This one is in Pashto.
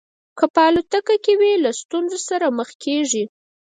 که په الوتکه کې وي له ستونزو سره مخ کېږي.